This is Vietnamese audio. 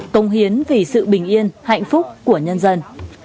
công hiến vì sự bình yên hạnh phúc của nhân dân